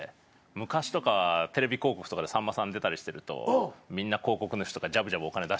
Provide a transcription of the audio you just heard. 昔とかテレビ広告とかでさんまさん出たりしてるとみんな広告主とかジャブジャブお金出してたじゃないですか。